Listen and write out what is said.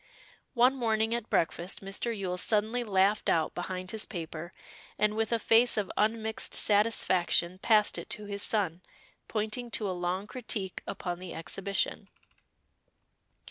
One morning at breakfast Mr. Yule suddenly laughed out behind his paper, and with a face of unmixed satisfaction passed it to his son, pointing to a long critique upon the Exhibition.